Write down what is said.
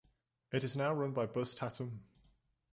It is now run by Buzz Tatom.